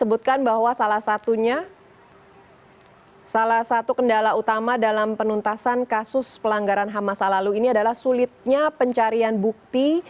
utama dalam penuntasan kasus pelanggaran ham masa lalu ini adalah sulitnya pencarian bukti